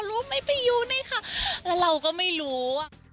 รู้ไม่เป็นยูนี่ค่ะแล้วเราก็ไม่รู้